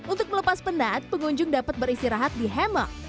untuk melepas penat pengunjung dapat beristirahat di hemok